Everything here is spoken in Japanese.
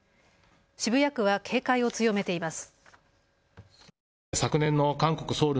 渋谷区は警戒を強めています。